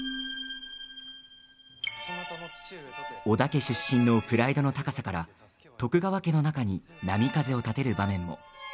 織田家出身のプライドの高さから徳川家の中に波風を立てる場面も。